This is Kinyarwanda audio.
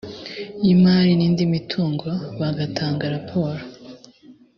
y imari n indi mitungo bagatanga raporo